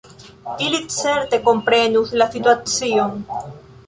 Ili certe komprenus la situacion.